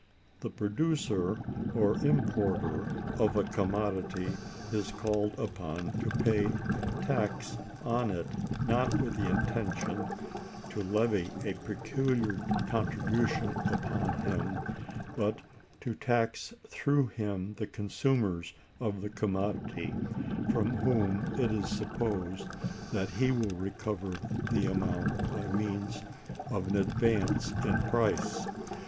The producer or importer of a commodity is called upon to pay tax on it, not with the intention to levy a peculiar contribution upon him, but to tax through him the consumers of the commodity, from whom it is supposed that he will recover the amount by means of an advance in price.